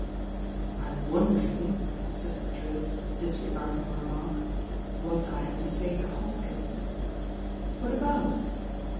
"I'm wondering," said Drewitt, disregarding the remark, "what I am to say to Hoskins?" "What about?"